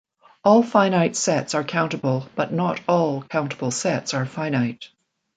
All finite sets are countable, but not all countable sets are finite.